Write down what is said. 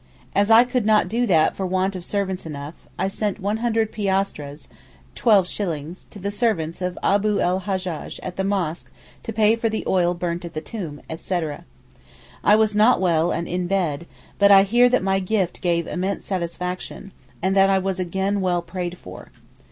As I could not do that for want of servants enough, I sent 100 piastres (12s) to the servants of Abu l Hajjaj at the mosque to pay for the oil burnt at the tomb, etc. I was not well and in bed, but I hear that my gift gave immense satisfaction, and that I was again well prayed for.